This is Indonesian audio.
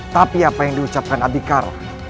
tapi apa yang diucapkan abikar